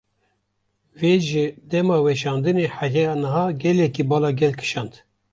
Vê ji dema weşandinê heya niha gelekî bala gel kîşand.